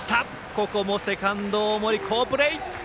ここもセカンド、大森好プレー！